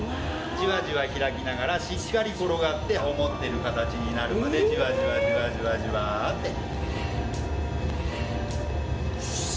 じわじわ開きながらしっかり転がして思ってる形になるまでじわじわじわって。